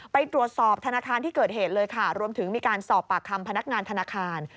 ไปตรวจสอบธนาคารที่เกิดเหตุเลยค่ะรวมถึงมีการสอบปากคำพนักงานธนาคาร